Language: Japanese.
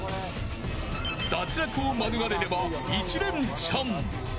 脱落を免れれば１レンチャン。